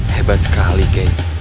hebat sekali kay